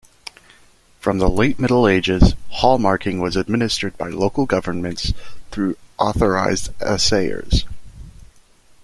From the Late Middle Ages, hallmarking was administered by local governments through authorized assayers.